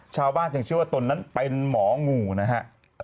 ชาวบ้านจึงเชื่อว่าตนนั้นเป็นหมองูนะฮะ